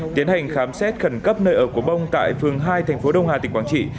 tiến hành khám xét khẩn cấp nơi ở của bông tại phường hai thành phố đông hà tỉnh quảng trị